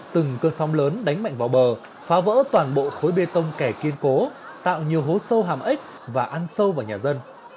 từng cơn sóng lớn đánh mạnh vào bờ phá vỡ toàn bộ khối bê tông kẻ kiên cố tạo nhiều hố sâu hàm ếch và ăn sâu vào nhà dân